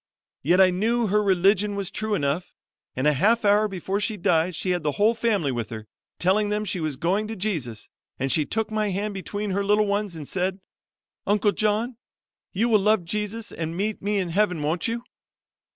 Yet I knew her religion was true enough, and a half hour before she died she had the whole family with her, telling them she was going to Jesus, and she took my hand between her little ones and said, 'Uncle John, you will love Jesus and meet me in Heaven, won't you?'